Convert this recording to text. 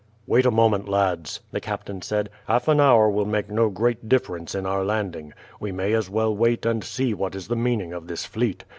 "Wait a moment, lads," the captain said, "half an hour will make no great difference in our landing. We may as well wait and see what is the meaning of this fleet.